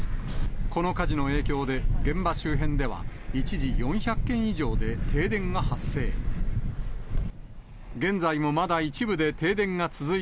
この火事の影響で、現場周辺では、一時４００軒以上で停電が発生。